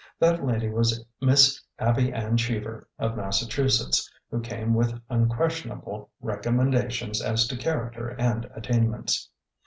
That lady was Miss Abby Ann Cheever, of Massachusetts, who came with unques tionable recommendations as to character and attain ments.